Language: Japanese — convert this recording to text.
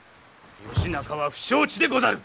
義仲は不承知でござる！